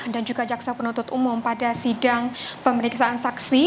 dan juga jaksa penuntut umum pada sidang pemeriksaan saksi